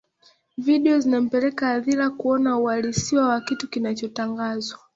video zinampeleka hadhira kuona uhalisiwa wa kitu kinachotangazwa